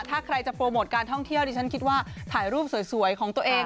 ถ้าใครจะโปรโมทการท่องเที่ยวดิฉันคิดว่าถ่ายรูปสวยของตัวเอง